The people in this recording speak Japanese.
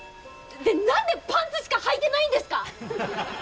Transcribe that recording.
で何でパンツしかはいてないんですか！？